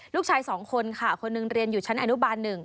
ลูกชายสองคนค่ะคนนึงเรียนอยู่ชั้นอนุบาลหนึ่ง